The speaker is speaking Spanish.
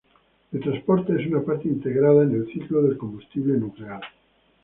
El transporte es una parte integrada en el ciclo del combustible nuclear.